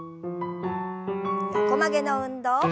横曲げの運動。